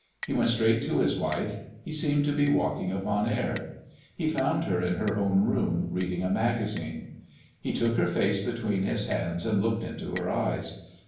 He went straight to his wife; he seemed to be walking upon air. He found her in her own room, reading a magazine. He took her face between his hands and looked into her eyes.